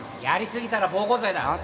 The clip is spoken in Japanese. やりすぎたら暴行罪だ